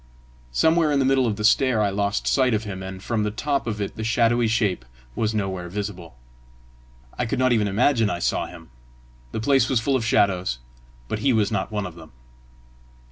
Somewhere in the middle of the stair I lost sight of him, and from the top of it the shadowy shape was nowhere visible. I could not even imagine I saw him. The place was full of shadows, but he was not one of them.